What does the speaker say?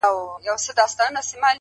ه ستا د غزل سور له تورو غرو را اوړي-